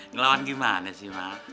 ngelawan gimana sih ma